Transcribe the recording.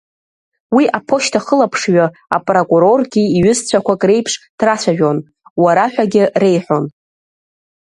Уи аԥошьҭахылаԥшҩгьы, апрокуроргьы иҩызцәақәак реиԥш драцәажәон, уара ҳәагьы реиҳәон…